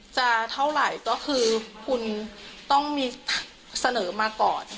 จะเท่าไหร่ก็คือคุณต้องมีเสนอมาก่อน